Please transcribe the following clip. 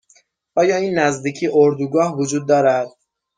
آیا این نزدیکی اردوگاه وجود دارد؟